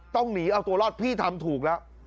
ต้องหนีเอาตัวรอดพี่ทำถูกแล้ว